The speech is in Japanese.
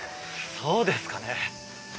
そうですかね？